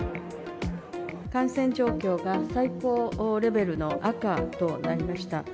感染状況が最高レベルの赤となりました。